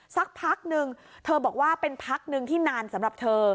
สักพักนึงเธอบอกว่าเป็นพักหนึ่งที่นานสำหรับเธอ